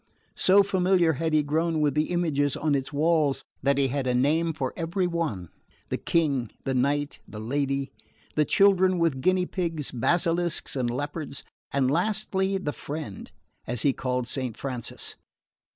So familiar had he grown with the images on its walls that he had a name for every one: the King, the Knight, the Lady, the children with guinea pigs, basilisks and leopards, and lastly the Friend, as he called Saint Francis.